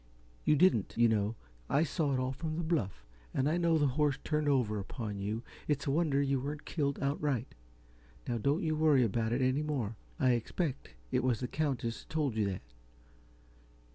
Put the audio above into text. You didn't, you know. I saw it all from the bluff, and I know the horse turned over upon you. It's a wonder you weren't killed outright. Now, don't worry about it any more I expect it was the Countess told you that.